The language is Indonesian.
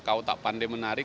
kau tak pandai menarik